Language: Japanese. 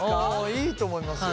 いいと思いますよ。